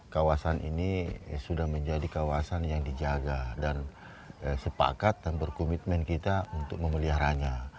kawasan ini sudah menjadi kawasan yang dijaga dan sepakat dan berkomitmen kita untuk memeliharanya